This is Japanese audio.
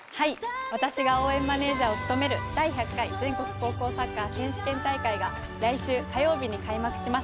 私が応援マネジャーを務める第１００回全国高校サッカー選手権大会が来週火曜日に開幕します。